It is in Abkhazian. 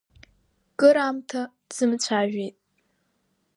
Кыр аамҭа дзымцәажәеит.